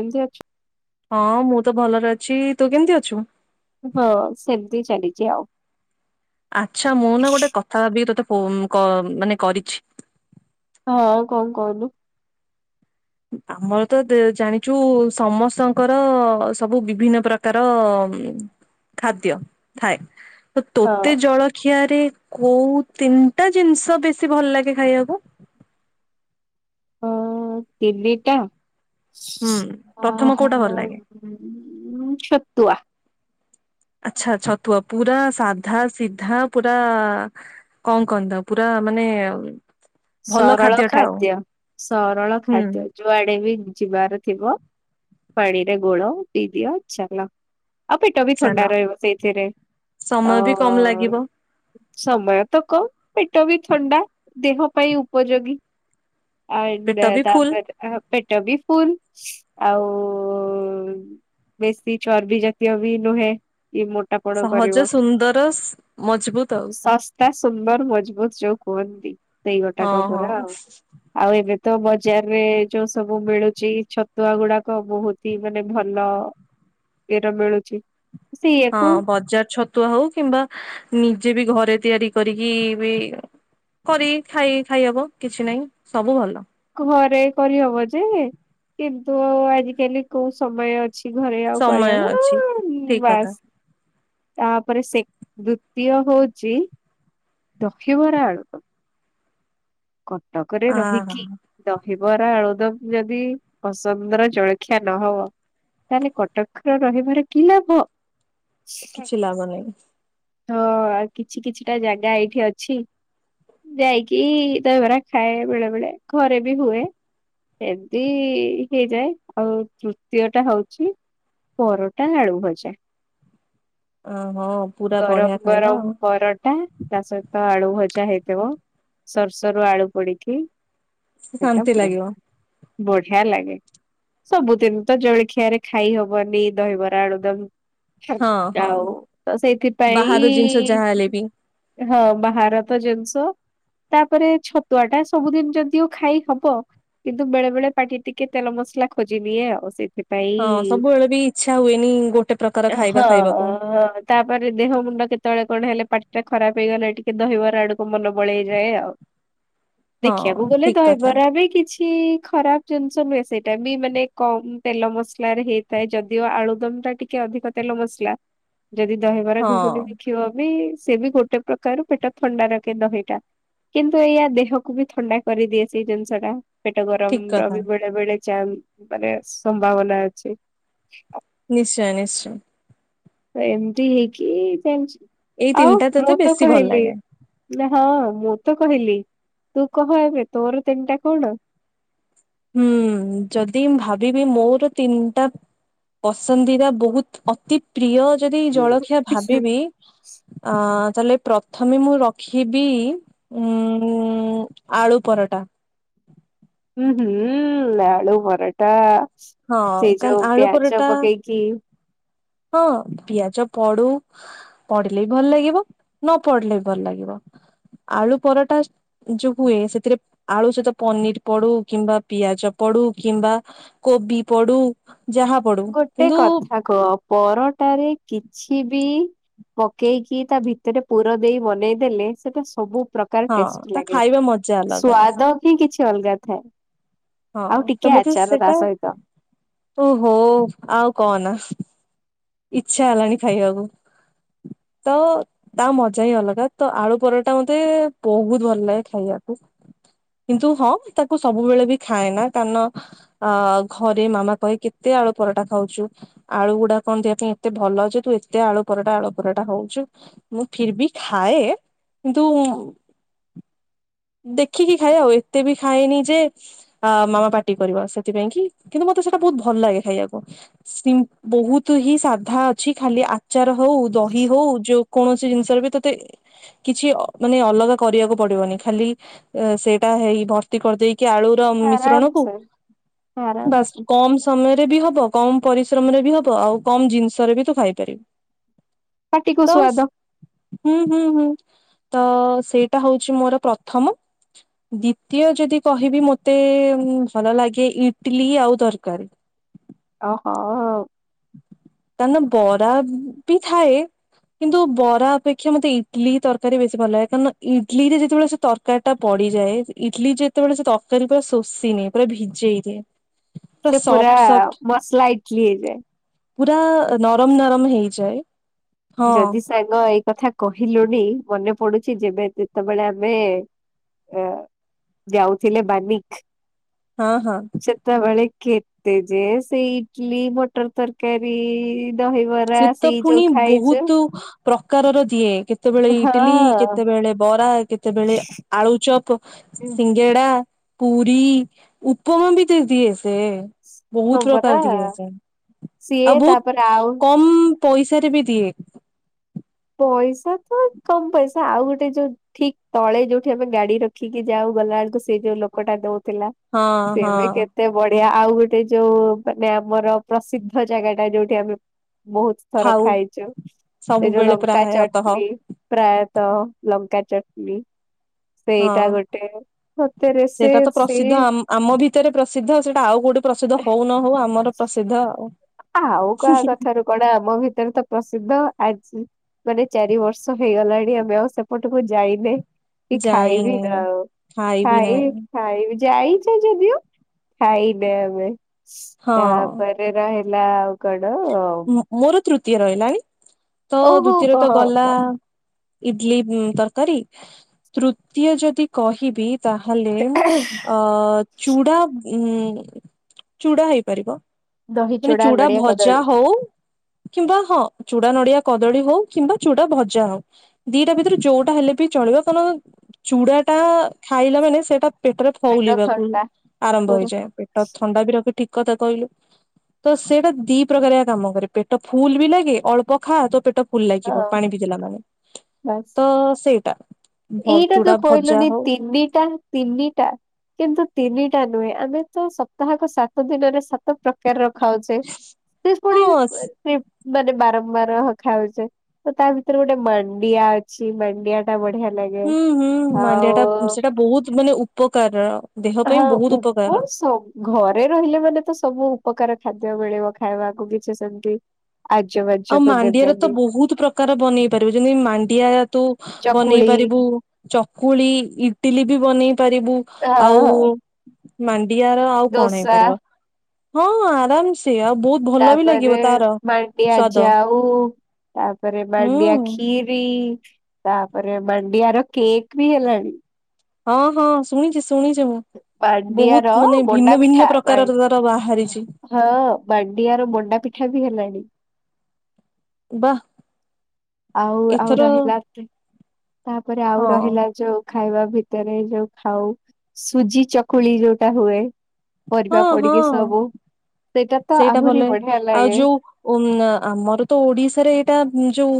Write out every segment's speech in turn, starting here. ଏମତି ଅଛି। ହଁ ମୁଁ ତ ଭଲରେ ଅଛି ତୁ କେମିତି ଅଛୁ। ହଁ ସେମିତି ଚାଲିଛି ଆଉ। ଆଚ୍ଛା ମୁଁ ନା ଗୋଟେ କଥା ଦବି ତୋତେ ହମ୍ କ ମାନେ କରିଛି। ହଁ କଣ କହୁନୁ? ଆମର ତ ଜାଣିଛୁ ସମସ୍ତଙ୍କର ସବୁ ବିଭିନ୍ନ ପ୍ରକାର ଖାଦ୍ୟ ଥାଏ। ତ ହଁ ତୋତେ ଜଳଖିଆର ମତେ କୋଉ ତିନିଟା ଜିନିଷ ବେଶି ଭଲ ଲାଗେ ଖାଇବାକୁ? ହଁ ତିନି ଟା? ହୁଁ ପ୍ରଥମ ଆ କୋଉଟା ହାଁ ଭଲ ଲାଗେ? ଛତୁଆ ଆଚ୍ଛା, ଛତୁଆ ପୁରା ସାଧା ସିଧା ପୁରା କଣ କହନ୍ତି ତାକୁ ପୁରା ମାନେ ଭଲ ସରଳ ଟା ଆଉ ଖାଦ୍ୟ, ସରଳ ହୁଁ ଖାଦ୍ୟ ଯୁଆଡେ ବି ଯିବାର ଥିବ ପାଣିରେ ଗୋଳ ପିଇଦିଅ ଚାଲ। ଆଉ ପେଟ ବି ଚାଲ ଥଣ୍ଡା ରହିବ ସେଇଥିରେ ସମୟ ଅ ବି କମ ଲାଗିବ ସମୟ ତ କମ୍ ପେଟ ବି ଥଣ୍ଡା ଦେହ ପାଇଁ ଉପଯୋଗୀ ଆଉ ଏ ପେଟ ଦେ ବି ଫୁଲ ତାପରେ ଅହ ପେଟ ବି ଫୁଲ ଆଉ ବେଶୀ ଚର୍ବି ଜାତୀୟ ବି ନୁହେଁ। ଇ ମୋଟାପଣ ସହଜ କରିବ। ସୁନ୍ଦର ମଜବୁତ ଆଉ। ଶସ୍ତା ସୁନ୍ଦର ମଜବୁତ ଯୋଉ କୁହନ୍ତି। ସେଇ ଗୋଟାକ ହଁ ପରା ହଁ। ଆଉ। ଆଉ ଏବେ ତ ବଜାରରେ ଯୋଉ ସବୁ ମିଳୁଛି ଛତୁଆ ଗୁଡାକ ବହୁତ ହିଁ ମାନେ ଭଲ ଇଏ ର ମିଳୁଛି। ହଁ ସେଇଆକୁ ବଜାର ଛତୁଆ ହଉ କିମ୍ବା ନିଜେ ବି ଘରେ ତିଆରି କରିକି ବି କରି ଖାଇ ଖାଇହବ କିଛି ନାହିଁ ସବୁ ଭଲ। ଘରେ କରିହବ ଯେ କିନ୍ତୁ ଆଜିକାଲି କୋଉ ସମୟ କିଛି ଘରେ ଆଉ ସମୟ କରିହେବ ଅଛି [inaudible] ଠିକ କଥା। ବାସ୍। ତାପରେ ସେ ଦ୍ଵିତୀୟ ହଉଛି ଦହିବରା ଆଳୁଦମ୍। କଟକରେ ଆ ହା ରହିକି ଦ ଦହିବରା ଆଳୁଦମ ଯଦି ପସନ୍ଦର ଜଳଖିଆ ନହବ ତାହେଲେ କଟକର ରହିବାର କି ଲାଭ। କିଛି ଲାଭ ନାହିଁ। ହଁ ଆଉ କିଛି କିଛିଟା ଜାଗା ଏଇଠି ଅଛି ଯାଇକି ଦହିବରା ଖାଏ ବେଳେ ବେଳେ ଘରେ ବି ହୁଏ ଏମିତି ହେଇଯାଏ ଆଉ ତୃତୀୟ ଟା ହଉଛି ପରଟା ଆଳୁ ଭଜା ଅ ହଁ ପୁରା ବଢିଆ ଗରମ ଖାଇବା ଗରମ ଆଉ। ପରଟା ତା ସହିତ ଆଳୁ ଭ [unintelligible] ହୋଇଥିବ [unintelligible] ସରୁ ଆଳୁ ପଡିକି ଶାନ୍ତି ଲାଗିବ [unintelligible] ବଢ଼ିଆ ଲାଗେ। ସବୁଦିନ ତ ଜଳଖିଆରେ ଖାଇ ହବନି ଦହିବରା ଆଳୁଦମ। ହଁ ହଁ ସେଇଥିପାଇଁ ବାହାର ଜିନିଷ ଯାହା ହେଲେ ବି ହଁ ବାହାର ତ ଜିନିଷ ତାପରେ ଛତୁଆ ଟା ସବୁଦିନ ଯଦିଓ ଖାଇ ହବ କିନ୍ତୁ ବେଳେବେଳେ ପାଟି ଟିକେ ତେଲ ମସଲା ଖୋଜି ନିଏ ଆଉ ସେ ସେଥି ପାଇଁ ହଁ ସବୁବେଳେ ବି ଇଚ୍ଛା ହୁଏନି ଗୋଟେ ପ୍ରକାର ଖାଇବା ହଁ ଖାଇବାକୁ। ହଁ ତାପରେ ଦେହ ମୁଣ୍ଡ କେତେବେଳେ କଣ ହେଲେ ପାଟି ଟା ଖରାପ ହେଇଗଲା ଟିକେ ଦହିବାର ଆଡକୁ ମନ ବଳେଇଯାଏ ଆଉ। [unintelligible] ହଁ ଦେଖିବାକୁ ଗଲେ ଠିକ କଥା ଦହିବରା ବି କିଛି କି ଖରାପ ଜିନିଷ ନୁହେଁ ସେଇଟା ବି ମାନେ କମ ତେଲ ମସଲାରେ ହେଇଥାଏ ଯଦିଓ ଆଳୁଦମ ଟା ଟିକେ ଅଧିକ ତେଲ ମସଲା ଯଦି ଦହିବରା ଘୁଗୁନି ହଁ ଦେଖିବ ବି। ସେ ବି ଗୋଟେ ପ୍ରକାର ପେଟ ଥଣ୍ଡା ରକେ ଦହି ଟା। କିନ୍ତୁ ଏଇଆ ଦେହକୁ ବି ଥଣ୍ଡା କରିଦିଏ ସେଇ ଜିନିଷ ଟା। ପେଟ ଗରମ ଠିକ ର କଥା ବି ବେଳେ ବେଳେ [unintelligible] ମାନେ ସମ୍ଭାବନା ଅଛି। ନିଶ୍ଚୟ ନିଶ୍ଚୟ। ତ ଏମିତି ହେଇକି ଏଇ ଆଉ ତିନିଟା ତତେ ମୁଁ ତ ବେଶୀ ଭଲ କହିଲି ଲାଗେ। ନା। ହଁ ମୁଁ ତ କହିଲି ତୁ କହ ଏବେ ତୋର ତିନିଟା କଣ? ହୁଁ ଯଦି ଭାବିବି ମୋର ତିନିଟା ପସନ୍ଦିତା ବହୁତ ଅତି। ପ୍ରିୟ ଯଦି ଜଳଖିଆ ଭାବିବି ଅ ତାହେଲେ ପ୍ରଥମେ ମୁଁ ରଖିବି ଉ ଆଳୁ ପରଟା। ହୁଁ ହୁଁ ଆଳୁ ପରଟା। ହଁ ସେ କାରଣ ଯୋଉ ଆଳୁ ପିଆଜ ପରଟା ପକେଇକି ହଁ ପିଆଜ ପଡୁ ପଡିଲେ ବି ଭଲ ଲାଗିବ ନ ପଢିଲେ ବି ଭଲ ଲାଗିବ ଆଳୁ ପରଟା ଯୋଉ ହୁଏ ସେଥିରେ ଆଳୁ ସହିତ ପନିର ପଡୁ କିମ୍ବା ପିଆଜ ପଡୁ କିମ୍ବା କୋବି ପଡୁ ଯାହା ପଡୁ ଗୋଟେ କିନ୍ତୁ କଥା କହ ପରଟାରେ କିଛି ବି ପକେଇକି ତା ଭିତରେ ପୁର ଦେଇ ବନେଇଦେଲେ ସେଟା ସବୁ ପ୍ରକାର ହଁ ଟେଷ୍ଟୀ ତା ଲାଗେ ଖାଇବା ମଜା ଅଲଗା ସ୍ୱାଦ ହିଁ କିଛି ଅଲଗା ଥାଏ। ହଁ ଆଉ ଟିକେ ତ ମତେ ଆଚାର ତା ସେଟା ସହିତ ତୁ ହୋ। ଆଉ କହନା ଇଲଛା ହେଲାଣି ଖାଇବାକୁ ତ ତା ମଜା ହିଁ ଅଲଗା ତ ଆଳୁ ପରଟା ମତେ ବହୁତ ଭଲ ଲାଗେ ଖାଇବାକୁ। କିନ୍ତୁ ହଁ ତାକୁ ସବୁବେଳେ ବି ଖାଏ ନା କାରଣ ଘରେ ମାମା କହେ କେତେ ଆଳୁ ପରଟା ଖାଉଛୁ ଆଳୁ ଗୁଡା କଣ ଦେହ ପାଇଁ ଏତେ ଭଲ ଯେ ତୁ ଏତେ ଆଳୁ ପରଟା ଆଳୁ ପରଟା ହଉଛୁ ମୁଁ ଫିର ବି ଖାଏ କିନ୍ତୁ ଦେଖିକି ଖାଏ ଆଉ ଏତେ ବି ଖାଏନି ଯେ ମାମା ପାଟି କରିବ ସେଥିପାଇଁ କି କିନ୍ତୁ ମତେ ସେଟା ବହୁତ ଭଲ ଲାଗେ ଖାଇବାକୁ ସିମ୍ ବହୁତ ହିଁ ସାଧା ଅଛି ଖାଲି ଆଚାର ହଉ ଦହି ହଉ ଯୋକୌଣସି ଜିନିଷରେ ବି ତତେ କିଛି ମାନେ ଅଲଗା କରିବାକୁ ପଡିବନି। ଖାଲି ସେଇଟା ହେଇ ଭର୍ତ୍ତି କରିଦେଇ କି ଆଳୁର ମିଶ୍ରଣ କୁ ଆରାମସେ ବା ଆରାମସେ କମ ସମୟରେ ବି ହବ। କମ ପରିଶ୍ରମରେ ବି ହବ ଆଉ କମ ଜିନିଷରେ ବି ତୁ ଖାଇପାରିବୁ। ପାଟିକୁ ତ ସୁଆଦ ହୁଁ- ହୁଁ -ହୁଁ। ତ ସେଇଟା ହଉଛି ମୋର ପ୍ର ପ୍ରଥମ ଦ୍ଵିତୀୟ ଯଦି କହିବି ମତେ ଭଲ ଲାଗେ ଇଟିଲି ଆଉ ତରକାରୀ। ଓହୋ। କଣ ନା ବରା ବି ଥାଏ କିନ୍ତୁ ବରା ଅପେକ୍ଷା ମତେ ଇଟଲି ତରକାରୀ ବେଶୀ ଭଲ ଲାଗେ କାରଣ ଇଟଲି ରେ ଯେତେବେଳେ ସେ ତରକାରୀ ଟା ପଡିଯାଏ ଇଟଲି ଯେତେବେଳେ ସେ ତରକାରୀ ପୁରା ଶୋଷିନିଏ ପୁରା ଭିଜେଇ ଦିଏ। ସେ ପୁରା ସଫ୍ଟ ସଫ୍ଟ ମସଲା ଇଟଲି ହେଇଯାଏ। ପୁରା ନରମ ନରମ ହେଇଯାଏ। ହଁ ଯଦି ସାଙ୍ଗ [unintelligible] କଥା କହିଲୁଣି ମନେ ପଡୁଛି ଯେବେ ଯେତେବେଳେ ଆମେ ଯାଉଥିଲେ ବାନିକ ହଁ ହଁ। ସେତେବେଳେ କେ ସେ ଯେ ସେଇ ଇଟଲି ମଟର ତରକାରୀ ଦହିବରା ସେଇ ଯୋଉ ଖାଇ ତୁ ପ୍ରକାରର ଦିଏ। କେତେବେଳେ ହଁ ଇଟିଲି କେତେବେଳେ ବରା କେତେବେଳେ ଆଳୁଚପ ସିଙ୍ଗେଡା ପୁରୀ, ଉପମା ବି ଦେଇଦିଏ ସେ। ହଁ ବହୁତ ପରା ପ୍ରକାର ଦିଏ ସେ ସିଏ ତାପରେ ଆଉ ହୁଁ ପଇସାରେ ବି ଦିଏ। ପଇସା ତ କମ ପଇସା ଆଉ ଗୋଟେ ଯୋଉ ଠିକ ତଳେ ଯୋଉଠି ଆମେ ଗାଡି ରଖିକି ଯାଉ ଗଲାବେଳକୁ ସେ ଯୋଉ ଲୋକଟା ଦଉ ଥିଲା ହଁ ସେ ହଁ ବି କେତେ ବ ଆଉ ଗୋଟେ ଯୋଉ ମାନେ ଆମର ପ୍ରସିଦ୍ଧ ଜାଗା ଟା ଯୋଉଠି ଆମେ ବହୁତ ଥର ଖାଉ ଖାଇଛୁ ସେ ଯୋଉ ସବୁବେଳେ ଲଙ୍କା ପ୍ରାୟତଃ ହଁ ଚଟଣି ପ୍ରାୟତଃ ଲଙ୍କା। ଚଟନି। ହଁ ସେ ସେଇଟା ତ ସେ ପ୍ରସିଦ୍ଧ ଆମ ଭିତରେ ପ୍ରସିଦ୍ଧ ସେଇଟା ଆଉ କୋଉଠି ପ୍ରସିଦ୍ଧ ହଉ ନ ହଉ ଆମର ପ୍ରସିଦ୍ଧ ଆଉ। ଆଉ କାହା କଥାରୁ କଣ ଆମ ଭିତରେ ତ ପ୍ରସିଦ୍ଧ ତ ଆଜି ମାନେ ଚାରି ବର୍ଷ ହେଇଗଲାଣି ଆମେ ଆଉ ସେପଟକୁ ଯାଇନେ। କି ଖାଇବି ଯାଇନି ଗା ଖାଇବି ଖାଇ ନାହିଁ ଖାଇବି ଯାଇଛ ଯଦିଓ ଖାଇନେ ଆମେ। ହଁ ତାପରେ ରହ ହେଲା ଆଉ କଣ? [unintelligible] ତିଅ ରହିଲାଣି। ତ ଓହୋ ଦୁତିୟ ରେ ତ ଗଲା କହ ଇଟଲି ତରକାରୀ ତୃତୀୟ ଯଦି କହିବି ତାହେଲେ ଅ ଚୁଡା ଉଁ ଚୁଡା ହେଇପାରିବ। ମାନେ ଦହିଚୁଡ଼ା ଚୁଡା ନଡ଼ିଆ ଭଜା କଦଳୀ। ହଉ କିମ୍ବା ହଁ ଚୁଡା ନଡିଆ କଦଳୀ ହଉ କିମ୍ବା ଚୁଡା ଭଜା ହଉ ଦିଟା ଭିତରେ ଯୋଉଟା ହେଲେ ବି ଚଳିବ କାରଣ ଚୁଡା ଟା ଖାଇଲା ମାନେ ସେଇଟା ପେଟରେ ପେଟ ଫଉଲିବାକୁ ଥଣ୍ଡା ଆରମ୍ଭ ପୁର ହେଇଯାଏ। ପେଟ ଥଣ୍ଡା ବି ରଖି ଠିକ କଥା କହିଲୁ ତ ସେଇଟା ଦୀପ ସବୁ ପ୍ରକାର କାମ କରେ ପେଟ ଫୁଲ ବି ଲାଗେ ଅଳ୍ପ ଖା ତ ପେଟ ଫୁଲ ହେଇଯିବ ଆଉ ପାଣି ପିଇ ଦେଲା ପରେ ବାସ୍ ତ ସେଇ ଏଇଟା ତ କହିଲୁନି ତିନିଟା ତିନିଟା କିନ୍ତୁ ତିନି ଟା ନୁହେଁ ଆମେ ତ ସପ୍ତାହକ ସାତ ଦିନରେ ସାତ ପ୍ରକାର ଖାଉଛେ ସେ ପୁଣି ହଁ ସେ ମାନେ ବାରମ୍ବାର ହଁ ଖାଉଛେ ତ ତା ଭିତରେ ଗୋଟେ ମାଣ୍ଡିଆ ଅଛି ମାଣ୍ଡିଆ ଟା ବଢିଆ ଲାଗେ ହୁଁ ହୁଁ ମାଣ୍ଡିଆ ଟା ଆଉ ସେଟା ବହୁତ ମାନେ ଉପକାରର। ହଁ ଉପ ଘରେ ରହିଲେ ମାନେ ତ ସବୁ ଉପକାର ଖାଦ୍ୟ ମିଳିବ ଖାଇବାକୁ କିଛି ସେମତି ଆଉ ମାଣ୍ଡିଆରେ ତ ବହୁତ ପ୍ରକାର ବନେଇ ପାରିବୁ, ଯେମିତି ମାଣ୍ଡିଆ ତୁ ବନେଇ ଚକୁଳି ପାରିବୁ ଚକୁଳି, ଇଟଲି ବି ବନେଇ ପାରିବୁ ଆ ଆଉ ମା ମାଣ୍ଡିଆ ର ଆଉ କଣ ଦୋସା ହେଇପାରିବ? ହଁ ଆରାମସ୍ ଆଉ ବହୁତ ଭଲ ବି ଲାଗିବ ତାପରେ ତାର ମାଣ୍ଡିଆ ସ୍ଵାଦ ଯାଉ ତାପରେ ହୁଁ ମାଣ୍ଡିଆ ଖିରି। ତାପରେ ହଁ ହଁ ଶୁଣିଛି ଶୁ ମାଣ୍ଡିଆର ମଣ୍ଡା ଭିନ୍ନ ପିଠା ଭିନ୍ନ ପ୍ରକାରର ତାର ବାହାରିଛି ହଁ ମାଣ୍ଡିଆର ମଣ୍ଡା ପିଠା। ବି ହେଲାଣି। ବା। ଆଉ ଆଉ ଏଥର ରହିଲା କି ତାପରେ ଆଉ ହଁ ରହିଲା ଯୋଉ ଖାଇବା ଭିତରେ ଯୋଉ ଖାଉ ସୁଜି ଚକୁଳି ଯୋଉଟା ହୁଏ। ହଁ ପରିବା ପଡିକି ହଁ ସବୁ। ତ ସେଇଟା ଭଲ ଆହୁରି ବଢିଆ ଆଉ ଲାଗେ ଯୋଉ ଉ ଆମର ତ ଓଡିଶାରେ ଏଇଟା ଯୋଉ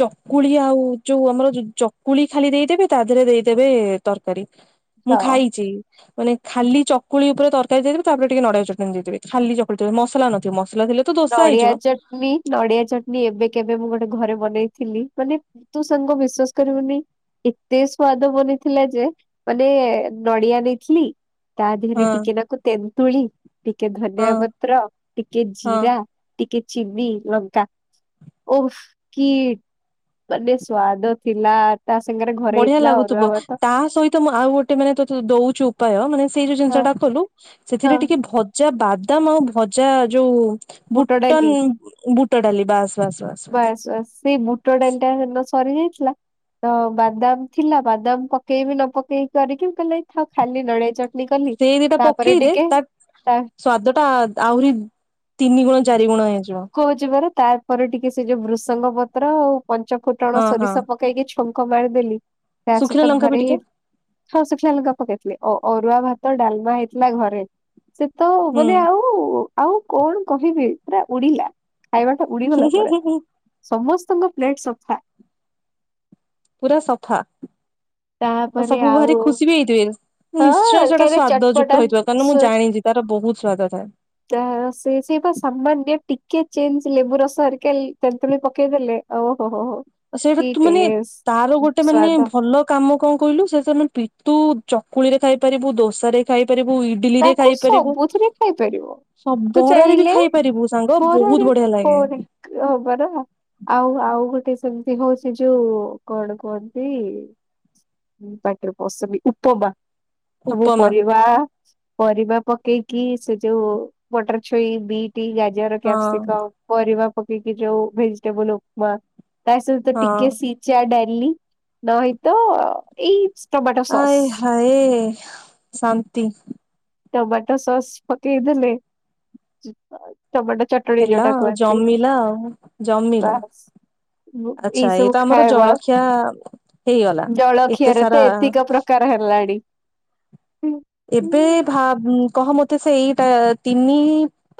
ଚକୁଳି ଆଉ ଯୋଉ ଆମର ଚକୁଳି ଖାଲି ଦେଇଦେବେ ତା ଦେହରେ ଦେଇଦେବେ ତରକାରୀ। ମୁଁ ହଁ। ଖାଇଛି। ମାନେ ଖାଲି ଚକୁଳି ଉପରେ ତରକାରୀ ଦେଇଦେବେ ତାପରେ ଟିକେ ନଡିଆ ଚଟଣି ଦେଇଦେବେ ଖାଲି ଚକୁଳି ମସଲା ନଥିବ। ନଡିଆ ଚଟଣି ନଡିଆ ଚଟଣି ଏବେ କେବେ ମୁଁ ଗୋଟେ ଘରେ ବନେଇଥିଲି ମାନେ ତୁ ସାଙ୍ଗ ବିଶ୍ଵାସ କରିବୁନି ଏତେ ସ୍ଵାଦ ବନେଇଥିଲା ଯେ ମାନେ ନଡିଆ ନେଇଥିଲି ତା ହଁ ଦେହରେ ଟିକେ ନାକୁ ତେନ୍ତୁଳି। ଟିକେ ହଁ ଧନ୍ୟଆ ପତ୍ର ଟିକେ ଜି ହଁ ଟିକେ ଚିନି, ଲଙ୍କା ଓ କି ମାନେ ସ୍ଵାଦ ଥିଲା। ତା ସାଙ୍ଗରେ ଘରେ ବଢିଆ ହେଇଥିଲା ଅରୁଆ ଲାଗୁଥିବ ଭାତ ତା ସହିତ ମୁଁ ଆଉ ଗୋଟେ ମାନେ ତତେ ଦଉଛି ଉପାୟ ମାନେ ସେଇ ଯୋଉ ହଁ ଜିନିଷ ଟା ହଁ। ସେଥିରେ ଟିକେ ଭ ଯା ବାଦାମ ଆଉ ଭଜା ଯୋଉ ବୁଟ ଡାଲି ବୁଟନ ବୁ ଟଡାଲି ବାସ୍। ବାସ୍ ବାସ୍ ସେଇ ବୁଟ ଡାଲିଟା ହେ ଦିନ ସରି ଯାଇଥିଲା ତ ବାଦାମ ଥିଲା ବାଦାମ ପକେଇବି ନ ପକେଇକି କରିକି ପ ଏଥାଉ ଖାଲି ଚଟଣି କଲି। ସେ ଦିଟା ତାପରେ ପକେଇଦେ ଟିକେ ତା ତା ସ୍ଵାଦ ଟା ଆହୁରି ତିନି ଗୁଣ ଚାରି ଗୁଣ ହେଇଯିବ। କହୁଛି ପରା ତାପରେ ଟିକେ ସେ ଯୋଉ ବୃଷଙ୍ଗ ପତ୍ର ପଞ୍ଚ ଫୁଟଣ ହଁ ହଁ ସୋରିଷ ଶଙ୍କ ମାରିଦେଲି। ତା ଶୁଖିଲା ସହିତ ଲଙ୍କା ବି ଘରେ ଟିକେ ଅରୁଆ ଭାତ, ଡାଲ ତ ହୁଁ ମାନେ ଆଉ ଆଉ କଣ କହିବି ପା ଉଡିଲା। ଖାଇବା ଟା ହୁଁ ଉଡ଼ିଗଲା ହୁଁ ପୁରା। ହୁଁ ହୁଁ ସମସ୍ତଙ୍କ ପ୍ଲେଟ ସଫା। ପୁରା ସଫା। ତାପରେ ସବୁ ଭାରି ଆଉ ଖୁସି ବି ହେଇଥିବେ ହଁ ନିଶ୍ଚୟ ସେଟା କାହିଁକିନା ସ୍ଵାଦ ଚଟପଟା ଯୁକ୍ତ ହେଇଥିବ କାରଣ ମୁଁ ସୋ ଜାଣିଛି ତାର ବହୁତ। [unintelligible] ତା ସେ ସେଇ ବା ସାମାନ୍ୟ ଟିକେ ଚେଞ୍ଜ ଲେବୁ ରସ ଆରିକା ତେନ୍ତୁଳି ପକେଇଦେଲେ ଆଉ ସେଇଟା ତୁ ମାନେ ତାର ଗୋଟେ ମାନେ ସ୍ଵାଦ ଭଲ କାମ କଣ କହିଲୁ ସେ ଆମେ ପିଟୁ ଚକୁଳି ରେ ଖାଇପାରିବୁ ଦୋସାରେ ଖାଇ ତାକୁ ସବୁଥିରେ ଖାଇପାରିବ ସବ ତୁ ବରାରେ ବି ଚାହିଁଲେ ଖାଇପାରିବୁ ସାଙ୍ଗ ବହୁତ ମରରେ ବଢିଆ ଲାଗେ ହବରା ଆଉ ଆଉ ଗୋଟେ ସେମିତି ସେ ହଉଛି ଯୋଉ କଣ କୁହନ୍ତି ପାଟିର ପସୁମୀ ଉପମା। ସବୁ ଉପମା ପରିବା ପରିବା ପକେଇକି ସେ ଯୋଉ ମଟର ଛୁଇଁ, ବିଟ୍ ଗାଜର, ହଁ କ୍ୟାପ୍ସିକ ପରିବା ପକେଇକି ଯେଉ ଭେଜିଟେବୁଲ ଉପମା। ତା ସହିତ ହଁ ଟିକେ ସିଜା ଡାଇପ୍ ଲି ତ ଏଇତ ଏଇ ଟମାଟୋ ସସ୍ ଆଏ ହାଏ ଶାନ୍ତି। ଟମାଟୋ ସସ୍ ପକେଇଦଲେ। ଟମାଟୋ ଚଟଣୀ ହେଲା ଯୋଉଟା ଆଉ କୁହନ୍ତି। ଜମିଲା ଆଉ ଜମିଲା। ବାସ୍ ଏଇ ଆଚ୍ଛା ଏଇତ ସବୁ ଆମର ଖାଇବା ଜଳଖିଆ ହେଇଗଲା ଏତେ ଜଳଖିଆରେ ସାରା ତ ଏତିକ ପ୍ରକାର ହେଲାଣି। ହୁଁ। ଏବେ ଭାବ୍ କହ ମତେ ସେଇଟା ତିନି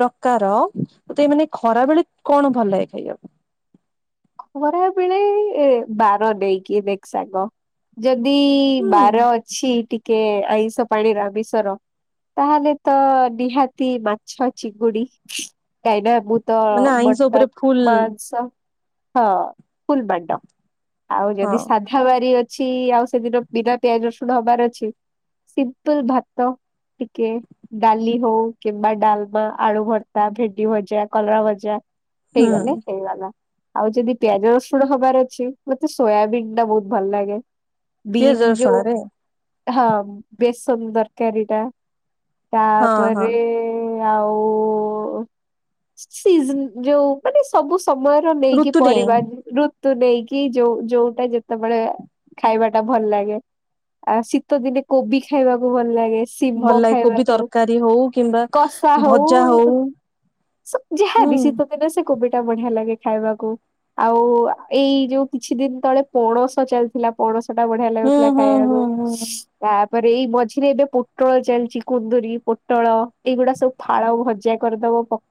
ପ୍ରକାର ତତେ ମାନେ ଖରା ବେଳେ କଣ ଭଲ ଲାଗେ ଖାଇବାକୁ? ଖରା ବେଳେ ବାର ଦେଇକି ଦେଖ ସାଙ୍ଗ ଯଦି ଯଦି ହୁଁ ବାର ଅଛି ଟିକେ କେ ଆଇଁଷ ପାଣିର ଆମିଷର ତାହେଲେ ତ ନିହାତି ମାଛ ଚିଙ୍ଗୁଡି କାହିଁନା ମୁଁ ତଳ ମାନେ ଆଇଁଷ ମଟନ ଉପରେ ଫୁଲ ମାଂସ। ହଁ ଫୁଲ୍ ମାଡ। ଆଉ ହଁ ଯଦି ସାଧା ବାରି ଅଛି। ଛି ଆଉ ସେଦିନ ବିନା ପିଆଜ ରସୁଣ ହବାର ଅଛି ସିମ୍ପୁଲ ଭାତ ଟିକେ ଡାଲି ହଉ କିମ୍ବା ଡାଲମା, ଆଳୁ ଭର୍ତ୍ତା, ଭେଣ୍ଡି ଭଜା, କଲରା ଭଜା ହୁଁ ହେଇଗଲେ ହେଇଗଲା। ଆଉ ଯଦି ପିଆଜ ରସୁଣ ହବାର ଅଛି। ମତେ ସୋୟାବିନ୍ ଟା ବହୁତ ଭଲ ଲାଗେ। ପିଆଜ ବିନ୍ ଯୋଉ ରସୁଣରେ ହଁ ବେସନ ଦରକାରୀଟା। ହଁ ହଁ ତାପରେ। ଆଉି ସିଜୀନ୍ ଯୋଉ ମାନେ ସବୁ ସମୟ। ନେଇକି ଋତୁ ନେଇ ପରିବା ରୁ। ତୋ ଦେଇକି ଯୋଉ ଯୋଉଟା ଯେତେବେଳେ ଖାଇବା ଟା ଭଲ ଲାଗେ ଆ ଶୀତ ଦିନେ କୋବି ଖାଇବାକୁ ଭଲ ଲାଗେ। ଭଲ ଶିମ୍ବ ଲାଗେ କୋବି ଖାଇବାକୁ ତରକାରୀ ହଉ କିମ୍ବା କଷା ହଉ ଭଜା ହଉ ହୁଁ। କୋବେଟା ବଢିଆ ଲାଗେ। ଖାଇବାକୁ ଆଉ ଏଇ ଯୋଉ କିଛି ଦିନ ତଳେ ପଣସ ଚାଲିଥିଲା ପଣସ। ସେଟା ବଢ଼ିଆ ହୁଁ ଲାଗୁଥିଲା ହୁଁ ଖାଇବାକୁ। ହୁଁ ହୁଁ। ପରେଇ ଏଇ ମଝିରେ ଏବେ ପୋଟଳ ଚାଲିଛି କୁନ୍ଦୁରୀ ପୋଟଳ ଏଇଗୁଡା ସବୁ ଫାଳ ଭଜା କରିଦବ ପ-